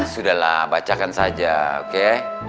sudahlah bacakan saja oke